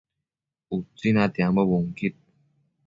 Utsi natiambo bunquid